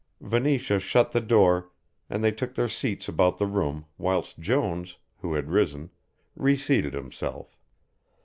Venetia shut the door and they took their seats about the room whilst Jones, who had risen, reseated himself.